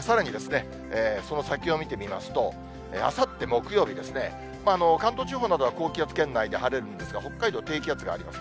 さらにその先を見てみますと、あさって木曜日、関東地方などは高気圧圏内で晴れるんですが、北海道、低気圧があります。